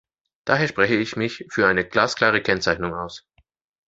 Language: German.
Daher spreche ich mich für eine glasklare Kennzeichnung aus.